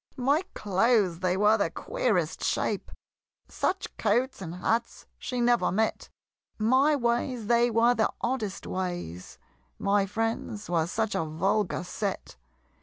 My clothes they were the queerest shape! Such coats and hats she never met! My ways they were the oddest ways! My friends were such a vulgar set!